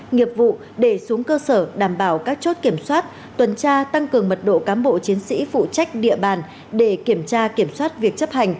nghiệp vụ để xuống cơ sở đảm bảo các chốt kiểm soát tuần tra tăng cường mật độ cám bộ chiến sĩ phụ trách địa bàn để kiểm tra kiểm soát việc chấp hành